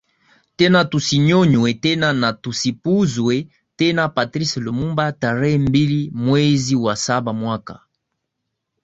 tena tusinyonywe tena na tusipuuzwe tenaPatrice Lumumba tarehe mbili mwezi wa saba mwaka